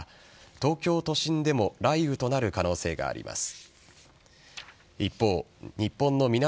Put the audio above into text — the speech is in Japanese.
東京都心でも雷雨となる可能性があります。